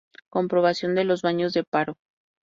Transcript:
Comprobación de los baños de paro.